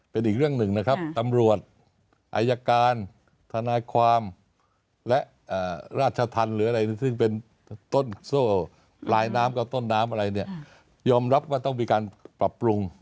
เป็นอีกเรื่องหนึ่งนะครับตำรวจอายการวิธีการเทียบฐาน